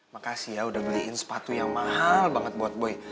makasih ya udah beliin sepatu yang mahal banget buat boy